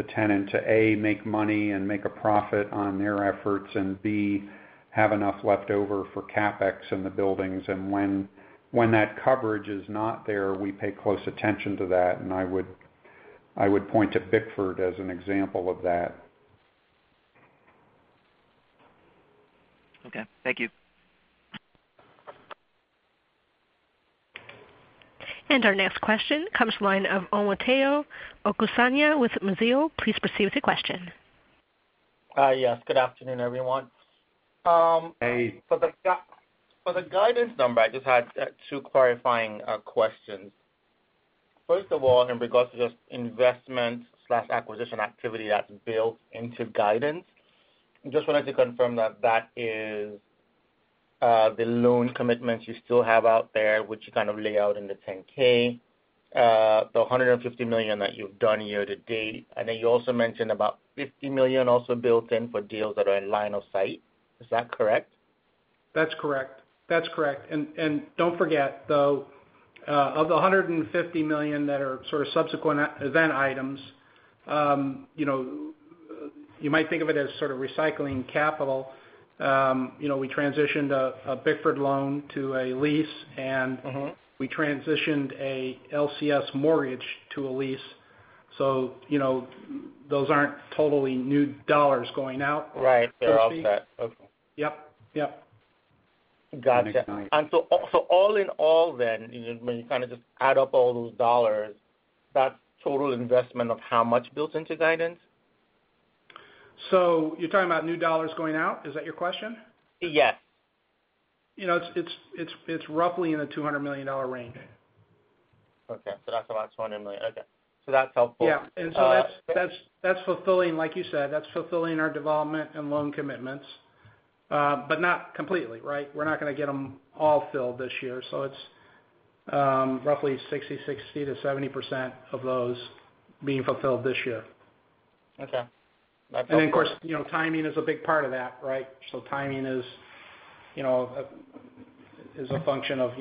tenant to, A, make money and make a profit on their efforts, and B, have enough left over for CapEx in the buildings. When that coverage is not there, we pay close attention to that. I would point to Bickford as an example of that. Okay. Thank you. Our next question comes from the line of Omotayo Okusanya with Mizuho. Please proceed with your question. Hi. Yes, good afternoon, everyone. Hey. For the guidance number, I just had two clarifying questions. First of all, in regards to just investment/acquisition activity that's built into guidance, just wanted to confirm that is the loan commitments you still have out there, which you kind of lay out in the 10-K, the $150 million that you've done year to date. You also mentioned about $50 million also built in for deals that are in line of sight. Is that correct? That's correct. Don't forget, though, of the $150 million that are sort of subsequent event items, you might think of it as sort of recycling capital. We transitioned a Bickford loan to a lease and. We transitioned a LCS mortgage to a lease. Those aren't totally new dollars going out. Right. They're offset. Okay. Yep. Got you. Makes sense. All in all then, when you add up all those dollars, that's total investment of how much built into guidance? You're talking about new dollars going out, is that your question? Yes. It's roughly in the $200 million range. Okay. That's what I was wondering. Okay. That's helpful. Yeah. That's fulfilling, like you said, that's fulfilling our development and loan commitments. Not completely, right? We're not going to get them all filled this year. It's roughly 66% to 70% of those being fulfilled this year. Okay. Of course, timing is a big part of that, right? Timing is a function of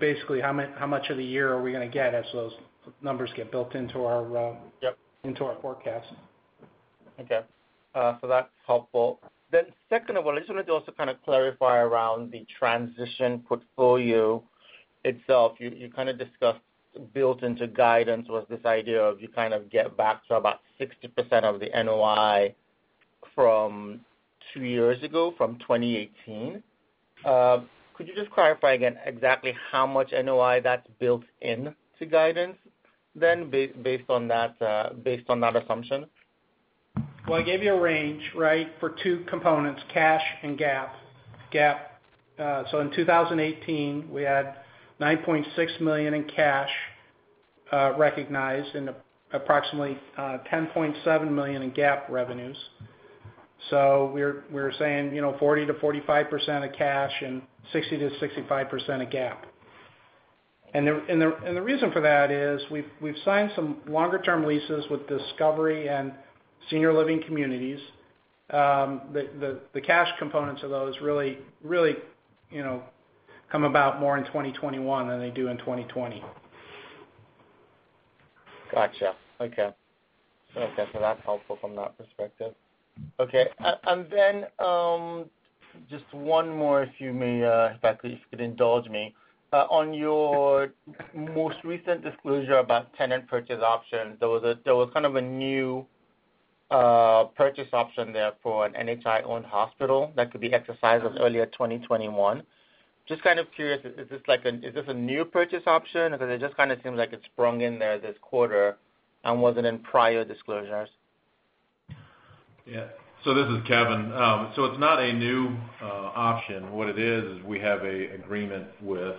basically how much of the year are we going to get as those numbers get built into. Yep Into our forecast. Okay. That's helpful. Second of all, I just wanted to also kind of clarify around the transition portfolio itself. You kind of discussed built into guidance was this idea of you kind of get back to about 60% of the NOI from two years ago, from 2018. Could you just clarify again exactly how much NOI that's built into guidance then based on that assumption? I gave you a range, right? For two components, cash and GAAP. In 2018, we had $9.6 million in cash recognized and approximately $10.7 million in GAAP revenues. We're saying 40%-45% of cash and 60%-65% of GAAP. The reason for that is we've signed some longer term leases with Discovery and Senior Living Communities. The cash components of those really come about more in 2021 than they do in 2020. Got you. Okay. That's helpful from that perspective. Okay. Just one more if you may, if I could indulge me. On your most recent disclosure about tenant purchase options, there was kind of a new purchase option there for an NHI-owned hospital that could be exercised as early as 2021. Just kind of curious, is this a new purchase option? It just kind of seems like it sprung in there this quarter and wasn't in prior disclosures. This is Kevin. It's not a new option. What it is we have an agreement with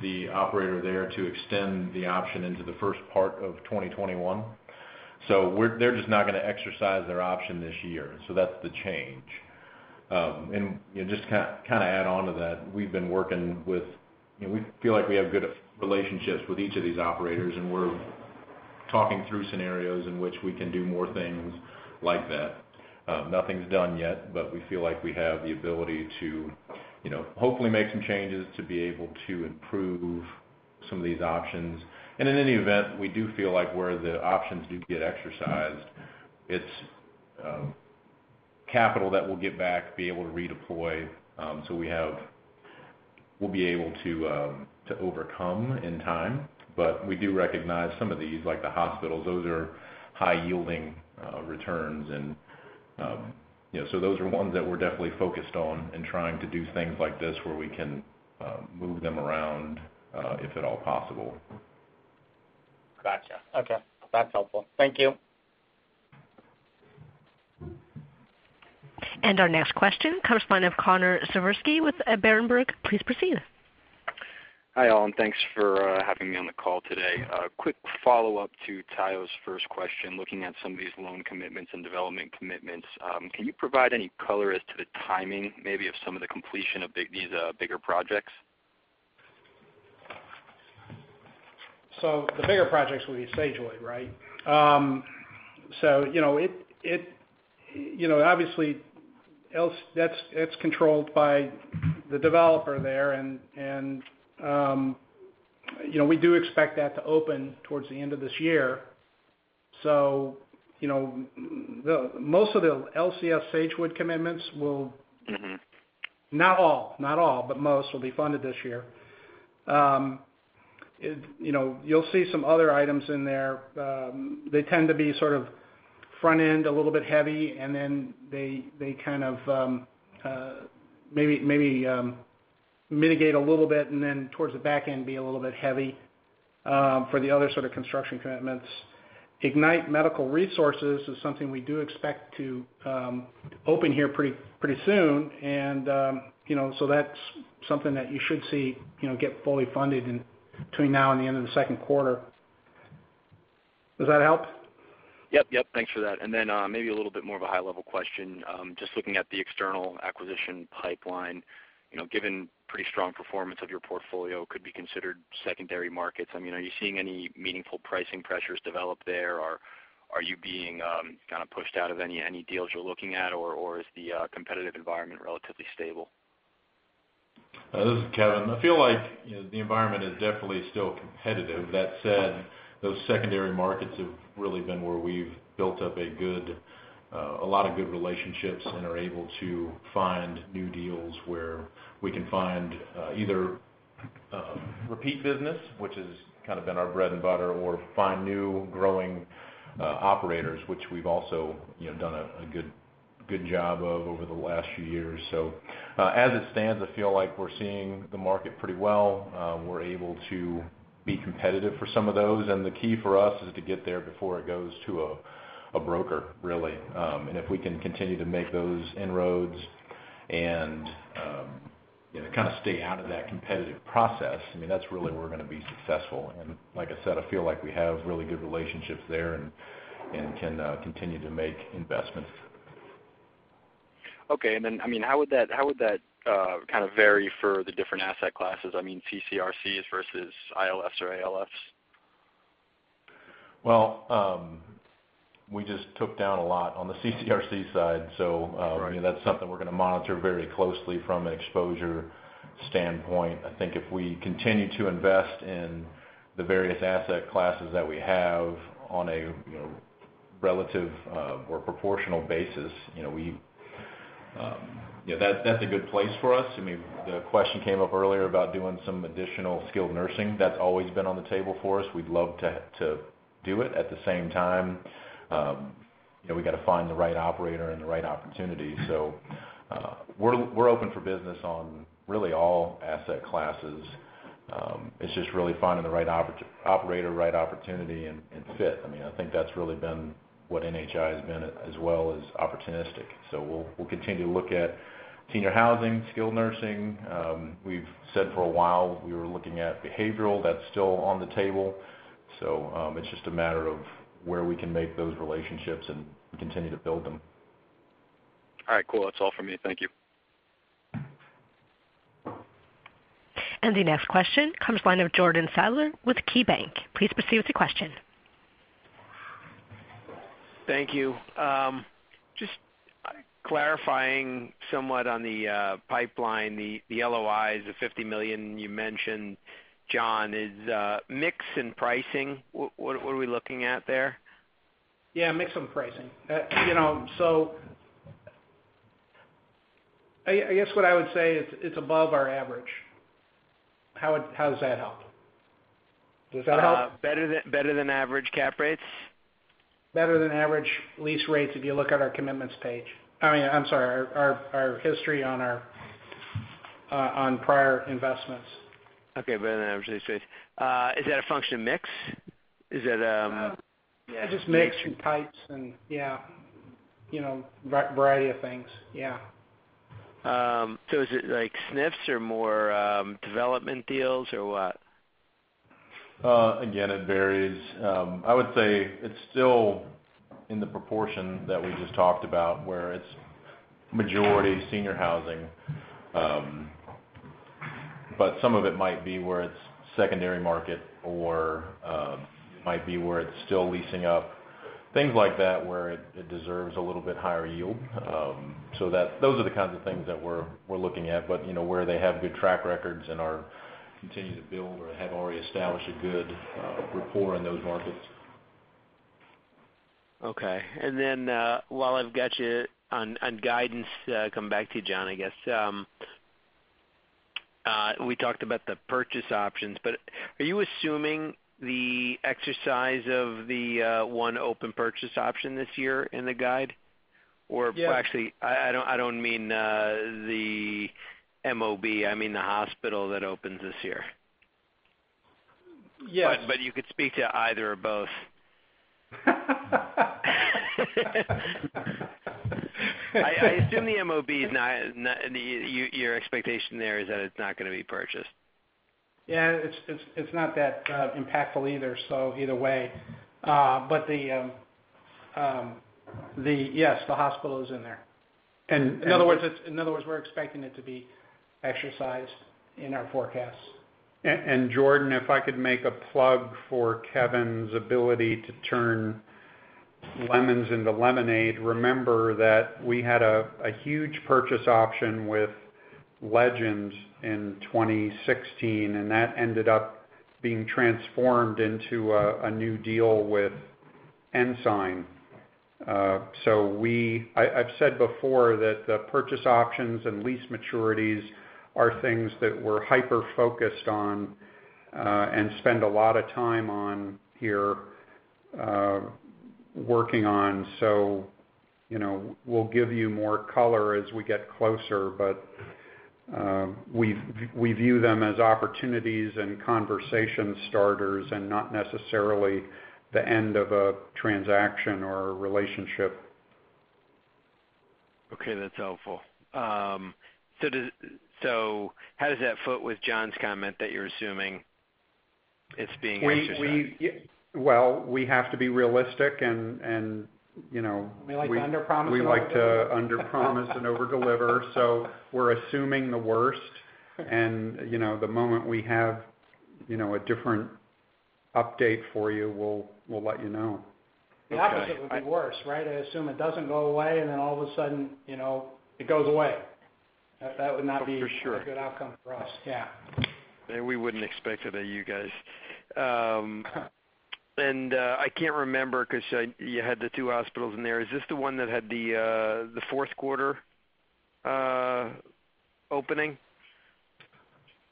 the operator there to extend the option into the first part of 2021. They're just not going to exercise their option this year. That's the change. Just to kind of add on to that, we feel like we have good relationships with each of these operators, and we're talking through scenarios in which we can do more things like that. Nothing's done yet, we feel like we have the ability to hopefully make some changes to be able to improve some of these options. In any event, we do feel like where the options do get exercised, it's capital that we'll get back, be able to redeploy. We'll be able to overcome in time. We do recognize some of these, like the hospitals; those are high-yielding returns and so those are ones that we're definitely focused on and trying to do things like this where we can move them around, if at all possible. Got you. Okay. That's helpful. Thank you. Our next question comes from Connor Siversky with Berenberg. Please proceed. Hi, all, and thanks for having me on the call today. A quick follow-up to Tayo's first question, looking at some of these loan commitments and development commitments. Can you provide any color as to the timing, maybe, of some of the completion of these bigger projects? The bigger projects would be Sagewood, right? Obviously, that's controlled by the developer there, and we do expect that to open towards the end of this year. Most of the LCS Sagewood commitments will. Not all, but most will be funded this year. You'll see some other items in there. They tend to be sort of front-end, a little bit heavy, and then they kind of maybe mitigate a little bit and then towards the back end be a little bit heavy, for the other sort of construction commitments. Ignite Medical Resorts is something we do expect to open here pretty soon. That's something that you should see get fully funded between now and the end of the second quarter. Does that help? Yep. Thanks for that. Maybe a little bit more of a high level question. Just looking at the external acquisition pipeline, given pretty strong performance of your portfolio could be considered secondary markets. Are you seeing any meaningful pricing pressures develop there, or are you being kind of pushed out of any deals you're looking at, or is the competitive environment relatively stable? This is Kevin. I feel like the environment is definitely still competitive. That said, those secondary markets have really been where we've built up a lot of good relationships and are able to find new deals where we can find either repeat business, which has kind of been our bread and butter, or find new growing operators, which we've also done a good job of over the last few years. As it stands, I feel like we're seeing the market pretty well. We're able to be competitive for some of those, and the key for us is to get there before it goes to a broker, really. If we can continue to make those inroads and kind of stay out of that competitive process, that's really where we're going to be successful. Like I said, I feel like we have really good relationships there and can continue to make investments. Okay. How would that vary for the different asset classes? CCRCs versus ILFs or ALFs? Well, we just took down a lot on the CCRC side. Right. That's something we're going to monitor very closely from an exposure standpoint. I think if we continue to invest in the various asset classes that we have on a relative or proportional basis, that's a good place for us. The question came up earlier about doing some additional skilled nursing. That's always been on the table for us. We'd love to do it. At the same time, we've got to find the right operator and the right opportunity. We're open for business on really all asset classes. It's just really finding the right operator, right opportunity, and fit. I think that's really been what NHI has been as well, is opportunistic. We'll continue to look at senior housing, skilled nursing. We've said for a while we were looking at behavioral, that's still on the table. It's just a matter of where we can make those relationships and continue to build them. All right. Cool. That's all from me. Thank you. The next question comes line of Jordan Sadler with KeyBanc. Please proceed with your question. Thank you. Just clarifying somewhat on the pipeline, the LOIs, the $50 million you mentioned, John, is mix and pricing, what are we looking at there? Yeah, mix and pricing. I guess what I would say is, it's above our average. How does that help? Does that help? Better than average cap rates? Better than average lease rates, if you look at our commitments page. I'm sorry, our history on prior investments. Okay. Better than average lease rates. Is that a function of mix? Yeah, just mix and types and yeah. A variety of things. Yeah. Is it like SNFs or more development deals or what? Again, it varies. I would say it's still in the proportion that we just talked about, where it's majority senior housing. Some of it might be where it's secondary market or it might be where it's still leasing up. Things like that, where it deserves a little bit higher yield. Those are the kinds of things that we're looking at, but where they have good track records and continue to build or have already established a good rapport in those markets. Okay. While I've got you on guidance, come back to you, John, I guess. We talked about the purchase options, are you assuming the exercise of the one open purchase option this year in the guide? Yeah Actually, I don't mean the MOB, I mean the hospital that opens this year. Yes. You could speak to either or both. I assume the MOB, your expectation there is that it's not going to be purchased. Yeah. It's not that impactful either, so either way. Yes, the hospital is in there. In other words, we're expecting it to be exercised in our forecast. Jordan, if I could make a plug for Kevin's ability to turn lemons into lemonade, remember that we had a huge purchase option with Legends in 2016, and that ended up being transformed into a new deal with Ensign. I've said before that the purchase options and lease maturities are things that we're hyper-focused on and spend a lot of time on here, working on. We'll give you more color as we get closer, but we view them as opportunities and conversation starters and not necessarily the end of a transaction or a relationship. Okay. That's helpful. How does that foot with John's comment that you're assuming it's being exercised? Well, we have to be realistic and We like to underpromise and overdeliver. we like to underpromise and overdeliver. We're assuming the worst. The moment we have a different update for you, we'll let you know. Okay. The opposite would be worse, right? I assume it doesn't go away, and then all of a sudden, it goes away. For sure. a good outcome for us. Yeah. We wouldn't expect it of you guys. I can't remember because you had the two hospitals in there. Is this the one that had the fourth quarter opening?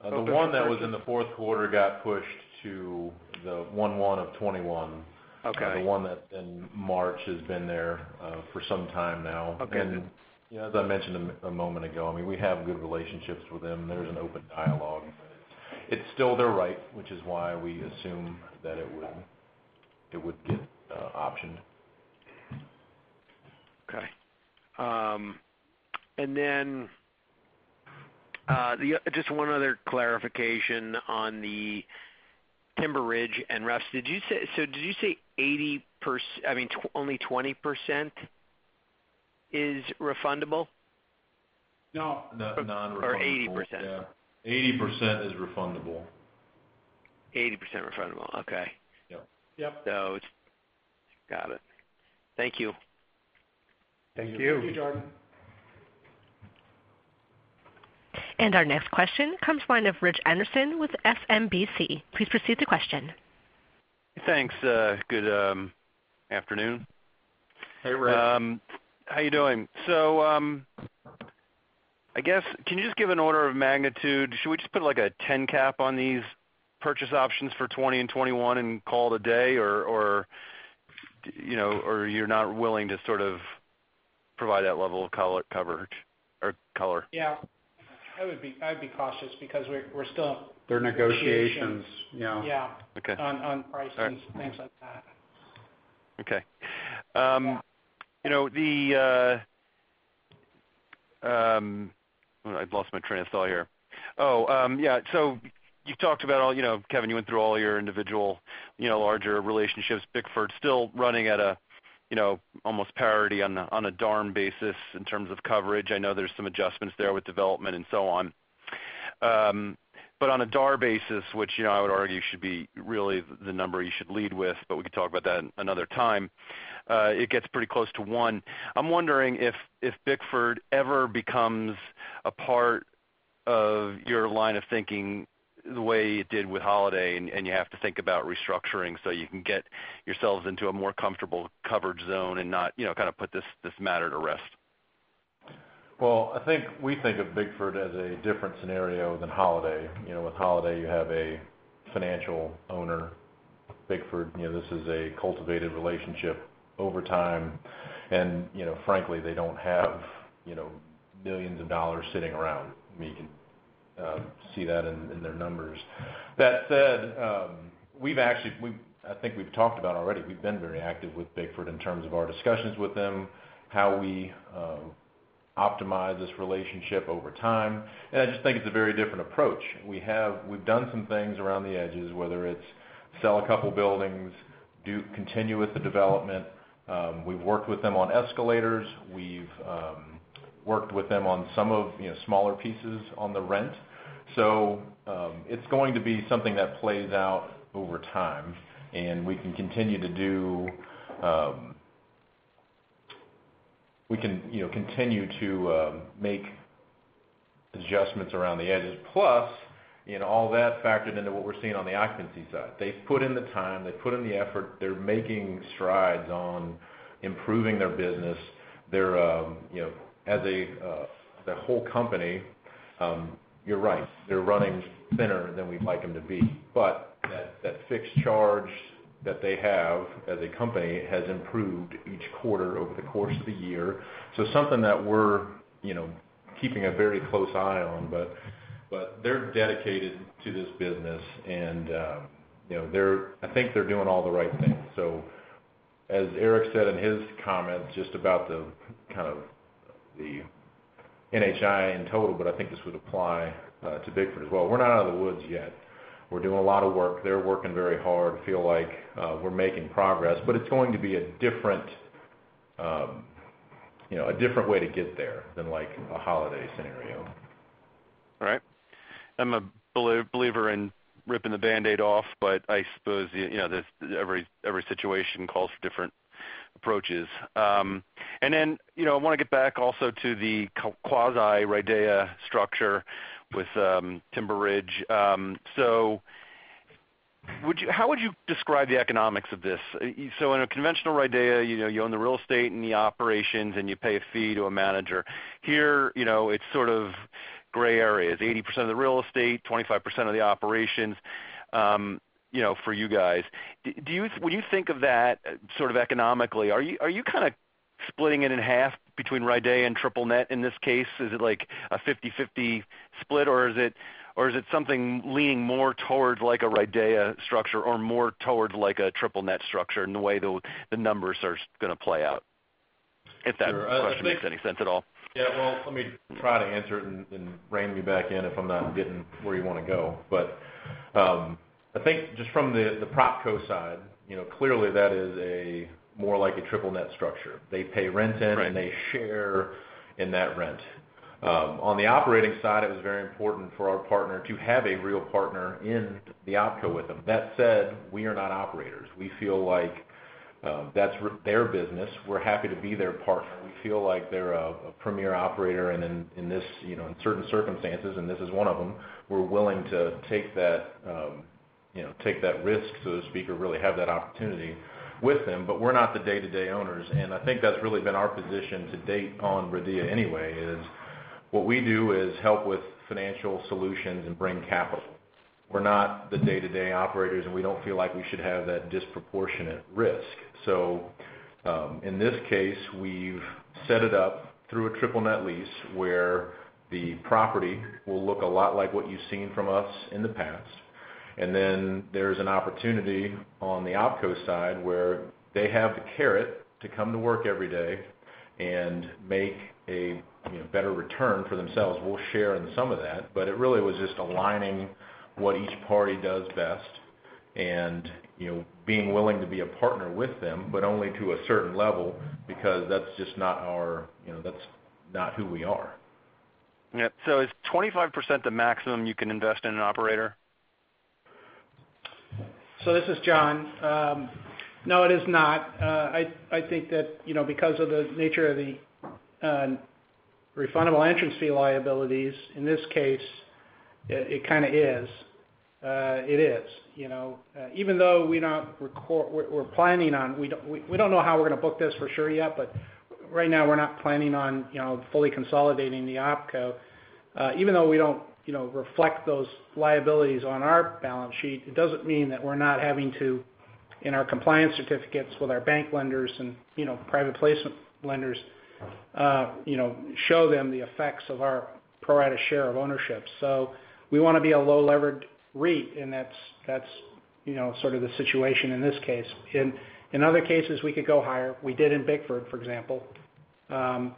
The one that was in the fourth quarter got pushed to the 1/1/2021. Okay. The one that's in March has been there for some time now. Okay. As I mentioned a moment ago, we have good relationships with them. There's an open dialogue. It's still their right, which is why we assume that it would get optioned. Okay. Just one other clarification on the Timber Ridge and Russ. Did you say only 20% is refundable? No. Non-refundable. 80%? Yeah, 80% is refundable. 80% refundable, okay. Yep. Yep. Got it. Thank you. Thank you. Thank you, Jordan. Our next question comes from the line of Rich Anderson with SMBC. Please proceed to question. Thanks. Good afternoon. Hey, Rich. How you doing? I guess, can you just give an order of magnitude? Should we just put, like, a 10 cap on these purchase options for 2020 and 2021 and call it a day? Or you're not willing to sort of provide that level of coverage or color? Yeah, I would be cautious because we're still- They're negotiations. Yeah. Okay. On prices and things like that. Okay. Yeah. I've lost my train of thought here. Oh, yeah. You've talked about all Kevin, you went through all your individual larger relationships. Bickford's still running at almost parity on a DARM basis in terms of coverage. I know there's some adjustments there with development and so on. On a DAR basis, which I would argue should be really the number you should lead with, but we can talk about that another time, it gets pretty close to one. I'm wondering if Bickford ever becomes a part of your line of thinking the way it did with Holiday, and you have to think about restructuring so you can get yourselves into a more comfortable coverage zone and not kind of put this matter to rest. I think we think of Bickford as a different scenario than Holiday. With Holiday, you have a financial owner. Bickford, this is a cultivated relationship over time, and frankly, they don't have billions sitting around. You can see that in their numbers. That said, I think we've talked about already, we've been very active with Bickford in terms of our discussions with them, how we optimize this relationship over time. I just think it's a very different approach. We've done some things around the edges, whether it's sell two buildings, continue with the development. We've worked with them on escalators. We've worked with them on some of smaller pieces on the rent. It's going to be something that plays out over time, and we can continue to make adjustments around the edges. Plus, all that factored into what we're seeing on the occupancy side. They've put in the time. They've put in the effort. They're making strides on improving their business. As a whole company, you're right. They're running thinner than we'd like them to be. That fixed charge that they have as a company has improved each quarter over the course of the year. Something that we're keeping a very close eye on, but they're dedicated to this business, and I think they're doing all the right things. As Eric said in his comments, just about the kind of the NHI in total, but I think this would apply to Bickford as well, we're not out of the woods yet. We're doing a lot of work. They're working very hard. Feel like we're making progress, but it's going to be a different way to get there than, like, a Holiday scenario. All right. I'm a believer in ripping the Band-Aid off, but I suppose every situation calls for different approaches. I want to get back also to the quasi-RIDEA structure with Timber Ridge. How would you describe the economics of this? In a conventional RIDEA, you own the real estate and the operations, and you pay a fee to a manager. Here, it's sort of gray areas, 80% of the real estate, 25% of the operations, for you guys. When you think of that sort of economically, are you kind of splitting it in half between RIDEA and triple net in this case? Is it like a 50/50 split, or is it something leaning more towards like a RIDEA structure or more towards like a triple net structure in the way the numbers are going to play out? If that question makes any sense at all. Yeah. Well, let me try to answer it, rein me back in if I'm not getting where you want to go. I think just from the PropCo side, clearly that is more like a triple net structure. They pay rent in- Right They share in that rent. On the operating side, it was very important for our partner to have a real partner in the OpCo with them. That said, we are not operators. We feel like that's their business. We're happy to be their partner. We feel like they're a premier operator. In certain circumstances, and this is one of them, we're willing to take that risk, so to speak, or really have that opportunity with them. We're not the day-to-day owners, and I think that's really been our position to date on RIDEA anyway, is what we do is help with financial solutions and bring capital. We're not the day-to-day operators, and we don't feel like we should have that disproportionate risk. In this case, we've set it up through a triple net lease, where the property will look a lot like what you've seen from us in the past. There's an opportunity on the OpCo side where they have the carrot to come to work every day and make a better return for themselves. We'll share in some of that, but it really was just aligning what each party does best and being willing to be a partner with them, but only to a certain level, because that's just not who we are. Yep. Is 25% the maximum you can invest in an operator? This is John. No, it is not. I think that because of the nature of the refundable entrance fee liabilities, in this case, it kind of is. It is. Even though we don't know how we're going to book this for sure yet, but right now, we're not planning on fully consolidating the OpCo. Even though we don't reflect those liabilities on our balance sheet, it doesn't mean that we're not having to, in our compliance certificates with our bank lenders and private placement lenders, show them the effects of our pro rata share of ownership. We want to be a low-levered REIT, and that's sort of the situation in this case. In other cases, we could go higher. We did in Bickford, for example.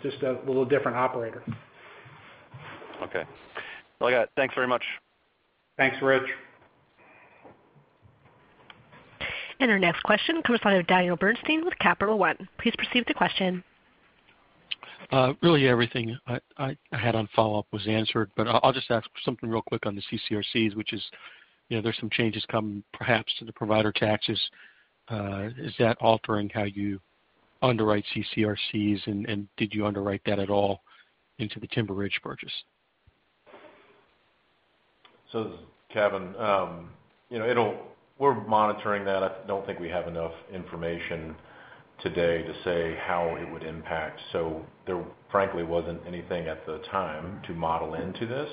Just a little different operator. Okay. Well, I got it. Thanks very much. Thanks, Rich. Our next question comes by with Daniel Bernstein with Capital One. Please proceed with the question. Really everything I had on follow-up was answered. I'll just ask something real quick on the CCRCs, which is, there's some changes coming perhaps to the provider taxes. Is that altering how you underwrite CCRCs and did you underwrite that at all into the Timber Ridge purchase? This is Kevin. We're monitoring that. I don't think we have enough information today to say how it would impact. There frankly wasn't anything at the time to model into this.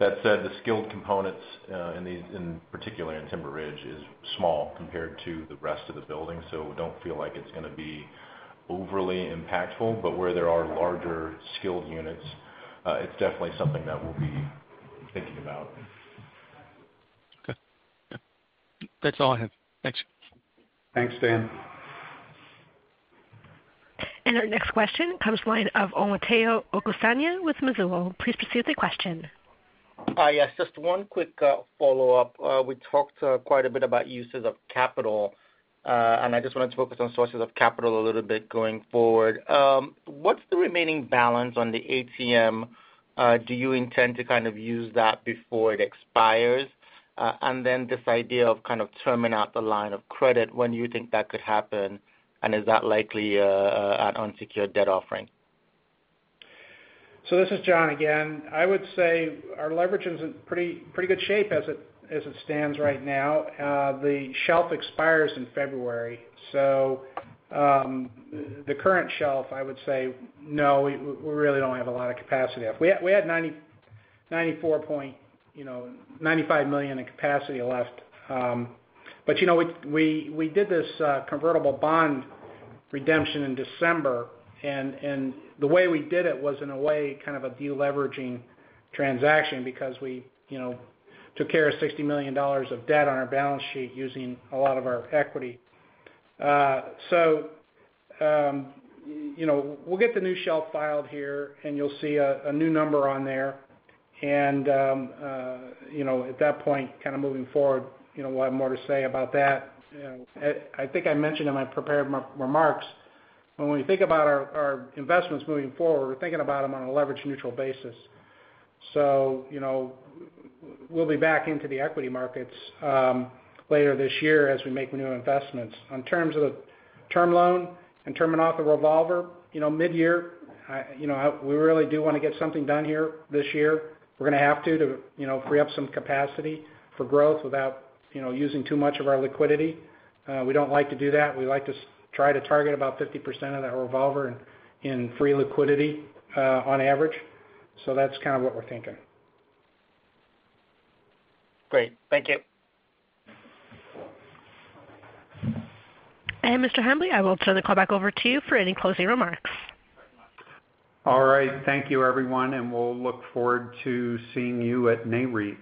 That said, the skilled components in particular in Timber Ridge is small compared to the rest of the building, we don't feel like it's going to be overly impactful. Where there are larger skilled units, it's definitely something that we'll be thinking about. Okay. That's all I have. Thanks. Thanks, Daniel. Our next question comes line of Omotayo Okusanya with Mizuho. Please proceed with the question. Yes, just one quick follow-up. We talked quite a bit about uses of capital. I just wanted to focus on sources of capital a little bit going forward. What's the remaining balance on the ATM? Do you intend to kind of use that before it expires? Then this idea of kind of trimming out the line of credit, when do you think that could happen? Is that likely an unsecured debt offering? This is John again. I would say our leverage is in pretty good shape as it stands right now. The shelf expires in February. The current shelf, I would say, no, we really don't have a lot of capacity left. We had $95 million in capacity left. We did this convertible bond redemption in December, and the way we did it was in a way kind of a de-leveraging transaction because we took care of $60 million of debt on our balance sheet using a lot of our equity. We'll get the new shelf filed here, and you'll see a new number on there. At that point, kind of moving forward, we'll have more to say about that. I think I mentioned in my prepared remarks, when we think about our investments moving forward, we're thinking about them on a leverage-neutral basis. We'll be back into the equity markets later this year as we make new investments. In terms of the term loan and trimming off the revolver, mid-year, we really do want to get something done here this year. We're going to have to free up some capacity for growth without using too much of our liquidity. We don't like to do that. We like to try to target about 50% of that revolver in free liquidity on average. That's kind of what we're thinking. Great. Thank you. Mr. Hambly, I will turn the call back over to you for any closing remarks. All right. Thank you, everyone, and we'll look forward to seeing you at Nareit.